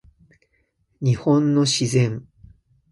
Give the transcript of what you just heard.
日本の自然